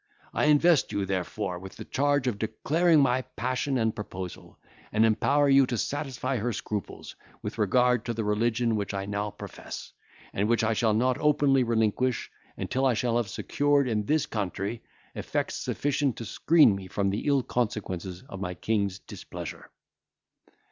I invest you, therefore, with the charge of declaring my passion and proposal, and empower you to satisfy her scruples with regard to the religion which I now profess, and which I shall not openly relinquish, until I shall have secured, in this country, effects sufficient to screen me from the ill consequences of my King's displeasure."